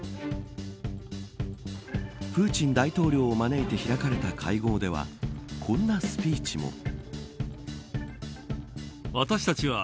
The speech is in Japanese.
プーチン大統領を招いて開かれた会合ではこんなスピーチも。